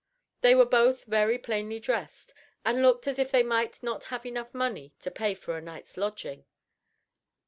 They were both very plainly dressed, and looked as if they might not have enough money to pay for a night's lodging.